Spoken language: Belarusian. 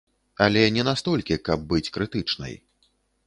Але не настолькі, каб быць крытычнай.